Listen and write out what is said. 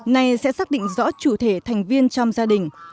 nay sẽ xác định rõ chủ thể thành viên trong gia đình